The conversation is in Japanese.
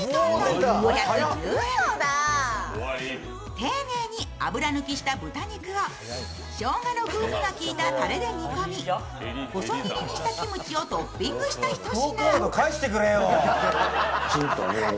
丁寧に油抜きした豚肉をしょうがの風味が利いたたれで煮込み細切りにしたキムチをトッピングしたひと品。